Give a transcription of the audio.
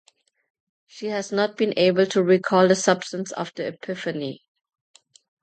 She has not been able to recall the substance of the epiphany.